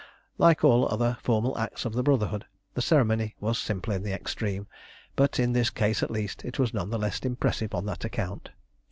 Like all other formal acts of the Brotherhood, the ceremony was simple in the extreme; but, in this case at least, it was none the less impressive on that account.